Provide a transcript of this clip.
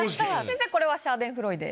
先生これはシャーデンフロイデ？